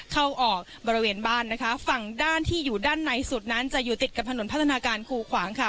เข้าออกบริเวณบ้านนะคะฝั่งด้านที่อยู่ด้านในสุดนั้นจะอยู่ติดกับถนนพัฒนาการคูขวางค่ะ